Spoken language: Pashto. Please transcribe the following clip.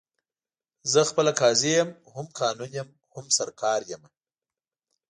زه خپله قاضي یم، هم قانون یم، هم سرکار یمه